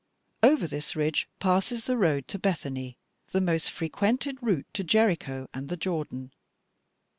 Over this ridge passes the road to Bethany, the most frequented route to Jericho and the Jordan.